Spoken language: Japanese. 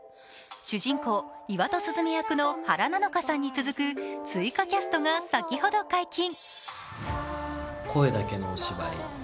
主人公・岩戸鈴芽役の原菜乃華さんに続く追加キャストが先ほど解禁。